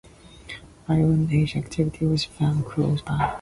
Iron Age activity was found close by.